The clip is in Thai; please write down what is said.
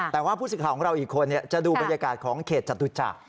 แต่ว่าผู้สิทธิ์ของเราอีกคนจะดูบรรยากาศของเขตจตุจักร